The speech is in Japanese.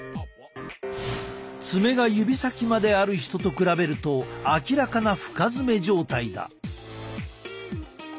爪が指先まである人と比べると明らかな深爪状態だ。